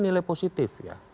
nilai positif ya